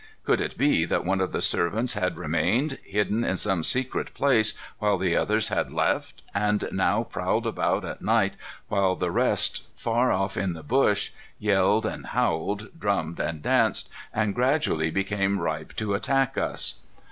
Could it be that one of the servants had remained, hidden in some secret place while the others had left, and now prowled about at night while the rest far off in the bush yelled and howled, drummed and danced, and gradually became ripe to attack us?